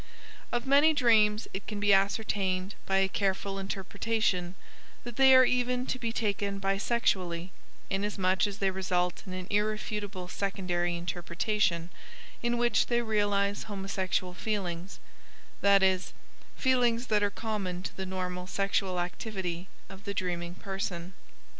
Of many dreams it can be ascertained by a careful interpretation that they are even to be taken bisexually, inasmuch as they result in an irrefutable secondary interpretation in which they realize homosexual feelings that is, feelings that are common to the normal sexual activity of the dreaming person.